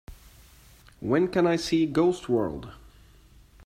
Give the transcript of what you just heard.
When can I see Ghost World